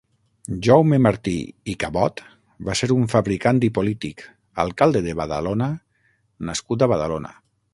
Jaume Martí i Cabot va ser un fabricant i polític, alcalde de Badalona nascut a Badalona.